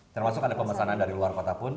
termasuk ada pemesanan dari luar kota pun